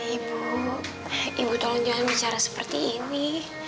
ibu ibu tolong jangan bicara seperti ini